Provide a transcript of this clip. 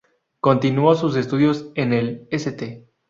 Continuó sus estudios en el St.